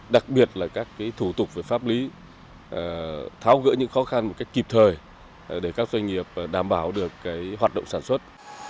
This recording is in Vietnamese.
đặc biệt là các thủ tục về pháp lý tháo gỡ những khó khăn một cách kịp thời để các doanh nghiệp đảm bảo được hoạt động sản xuất